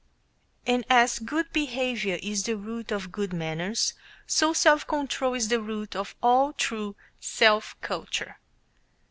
And as good behavior is the root of good manners, so self control is the root of all true self culture.